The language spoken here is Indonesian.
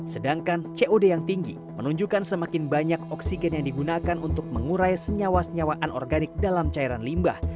sedangkan cod yang tinggi menunjukkan semakin banyak oksigen yang digunakan untuk mengurai senyawa senyawa anorganik dalam cairan limbah